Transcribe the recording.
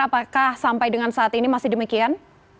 apakah sampai dengan saat ini masih demikian